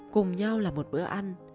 cùng nhau làm một bữa ăn